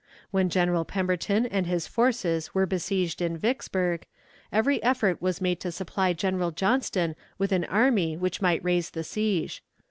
When General Pemberton and his forces were besieged in Vicksburg, every effort was made to supply General Johnston with an army which might raise the siege.